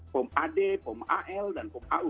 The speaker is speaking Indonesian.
pom ad pom al dan pom au